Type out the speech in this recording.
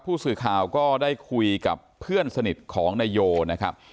ผู้สื่อข่าวก็ได้คุยกับเพื่อนสนิทของนายโยนะครับ